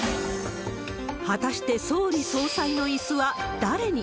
果たして総理、総裁のいすは誰に。